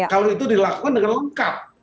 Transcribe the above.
kalau itu dilakukan dengan lengkap